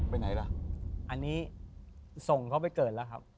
อันนี้ส่งเขาไปเกิดแล้วครับ